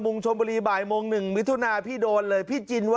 ผู้ชายคนี้เข้ามาในร้านดอมนะครับ